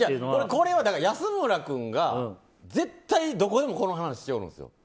これは安村君が絶対どこでもこの話しよるんですよ。